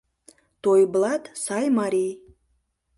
Тойблат — сай марий.